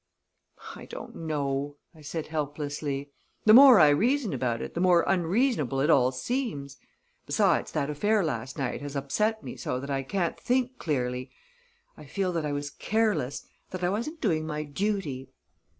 "I don't know," I said helplessly. "The more I reason about it, the more unreasonable it all seems. Besides, that affair last night has upset me so that I can't think clearly. I feel that I was careless that I wasn't doing my duty."